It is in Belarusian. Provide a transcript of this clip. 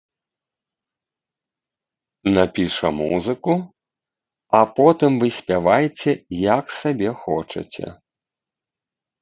Напіша музыку, а потым вы спявайце, як сабе хочаце.